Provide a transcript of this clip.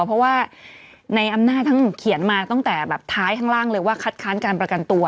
เพราะว่าในอำนาจทั้งเขียนมาตั้งแต่แบบท้ายข้างล่างเลยว่าคัดค้านการประกันตัว